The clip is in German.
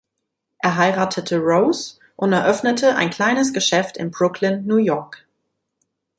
Er heiratete Rose und eröffnete ein kleines Geschäft in Brooklyn, New York.